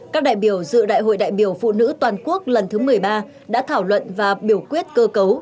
các đại biểu dự đại hội đại biểu phụ nữ toàn quốc lần thứ một mươi ba đã thảo luận và biểu quyết cơ cấu